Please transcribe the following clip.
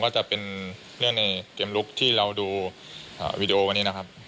ก็จะเป็นเนื่องในเกมรุ๊คและวีดีโอกันเนี่ยนะครับ